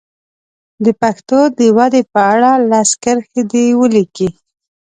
د پښتو د ودې په اړه لس کرښې دې ولیکي.